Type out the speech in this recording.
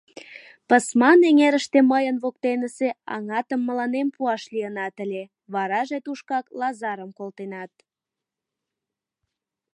Пысман эҥерыште мыйын воктенысе аҥатым мыланем пуаш лийынат ыле, вараже тушкак Лазырым колтенат.